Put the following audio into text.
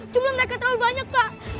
cuma mereka terlalu banyak kak